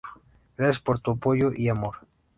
Gracias por tu apoyo y amor.